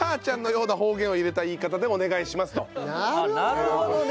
なるほどね！